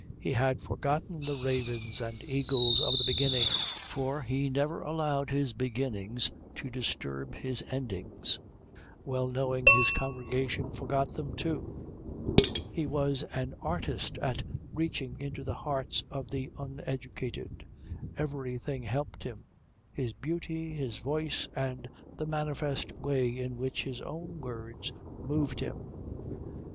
He had forgotten the ravens and eagles of the beginning, for he never allowed his beginnings to disturb his endings, well knowing his congregation forgot them, too. He was an artist at reaching into the hearts of the uneducated. Everything helped him his beauty, his voice, and the manifest way in which his own words moved him.